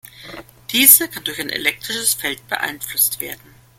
Diese kann durch ein elektrisches Feld beeinflusst werden.